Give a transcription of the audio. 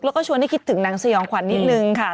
แล้วก็ชวนให้คิดถึงนางสยองขวัญนิดนึงค่ะ